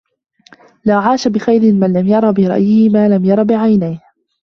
لَا عَاشَ بِخَيْرٍ مَنْ لَمْ يَرَ بِرَأْيِهِ مَا لَمْ يَرَ بِعَيْنَيْهِ